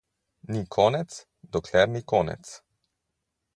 Ni konec, dokler ni konec.